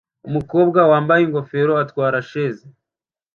Umukobwa wambaye ingofero atwarasheze